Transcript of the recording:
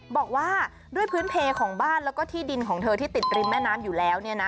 บอกว่าด้วยพื้นเพลของบ้านแล้วก็ที่ดินของเธอที่ติดริมแม่น้ำอยู่แล้ว